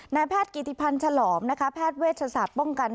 นายแพทย์กิติพันธ์ฉลอมนะคะแพทย์เวชศาสตร์ป้องกัน